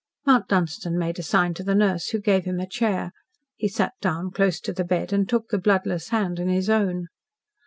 Mount Dunstan made a sign to the nurse, who gave him a chair. He sat down close to the bed, and took the bloodless hand in his own.